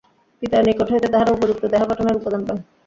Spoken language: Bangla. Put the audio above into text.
পিতার নিকট হইতে তাঁহারা উপযুক্ত দেহ-গঠনের উপাদান পান।